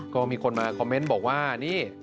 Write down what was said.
ก็มีคนมาคอมเมนต์บอกว่านี่